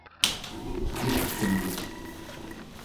miklemni